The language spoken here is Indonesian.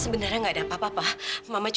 sebenarnya nggak ada apa apa ma di dalam kamar ini